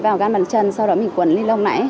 vào gắn bàn chân sau đó mình quần linh lông lại